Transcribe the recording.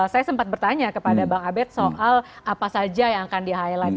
saya sempat bertanya kepada bang abed soal apa saja yang akan di highlight